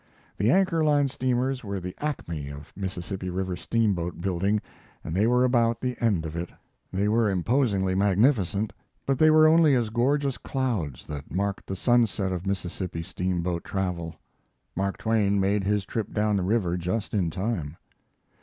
The Anchor Line steamers were the acme of Mississippi River steamboat building, and they were about the end of it. They were imposingly magnificent, but they were only as gorgeous clouds that marked the sunset of Mississippi steamboat travel. Mark Twain made his trip down the river just in time.